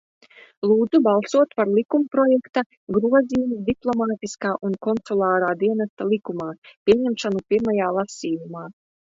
"Lūdzu balsot par likumprojekta "Grozījums Diplomātiskā un konsulārā dienesta likumā" pieņemšanu pirmajā lasījumā."